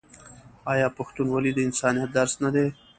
آیا پښتونولي د انسانیت درس نه دی؟